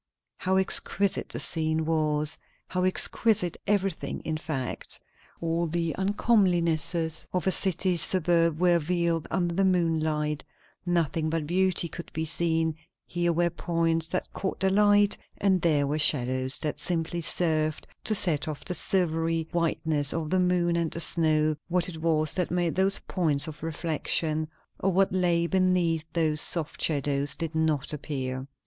How exquisite the scene was! how exquisite everything, in fact. All the uncomelinesses of a city suburb were veiled under the moonlight; nothing but beauty could be seen; here were points that caught the light, and there were shadows that simply served to set off the silvery whiteness of the moon and the snow; what it was that made those points of reflection, or what lay beneath those soft shadows, did not appear.